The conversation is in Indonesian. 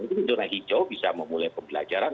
dan tentu di zona hijau bisa memulai pembelajaran